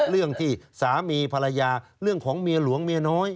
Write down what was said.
เรื่องที่สามีภรรยาเรื่องของเมียหลวงเมียน้อย